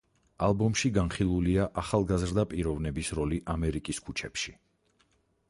ალბომში განხილულია ახალგაზრდა პიროვნების როლი ამერიკის ქუჩებში.